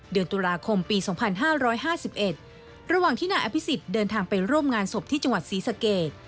เดือนตุลาคมปี๒๕๕๑ระหว่างที่นายอภิษฎเดินทางไปร่วมงานศพที่จังหวัดศรีสเกต